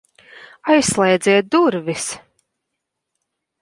Aizslēdziet durvis!